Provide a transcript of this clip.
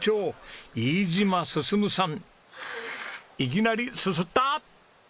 いきなりすすった！